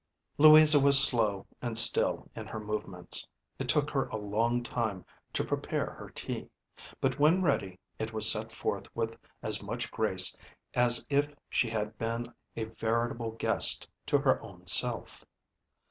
Louisa was slow and still in her movements; it took her a long time to prepare her tea; but when ready it was set forth with as much grace as if she had been a veritable guest to her own self.